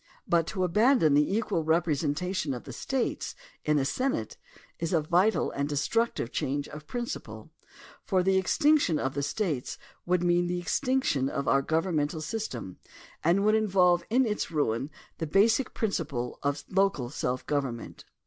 But to abandon the equal representation of the States in the Senate is a vital and destructive change of prin ciple, for the extinction of the States would mean the extinction of our governmental system and would in volve in its ruin the basic principle of local self govern ment.